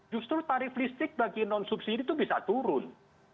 justru tarif listrik bagi non subsidi itu bisa turun